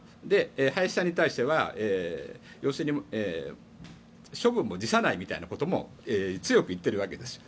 林さんに対しては処分も辞さないみたいなことも強く言っているわけです。